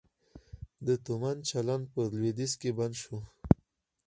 د تومان چلند په لویدیځ کې بند شو؟